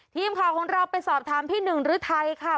ทีมข่าวของเราไปสอบถามพี่หนึ่งฤทัยค่ะ